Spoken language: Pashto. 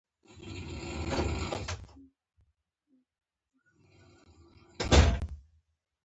د تاشکند تړون وشو.